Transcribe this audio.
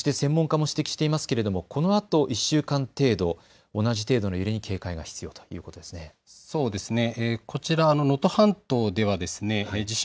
そして専門家も指摘していますけれども、このあと１週間程度、同じ程度の揺れに警戒が必要ということですね。